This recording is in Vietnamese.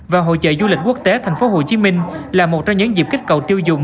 và hội trợ du lịch quốc tế thành phố hồ chí minh là một trong những dịp kích cầu tiêu dùng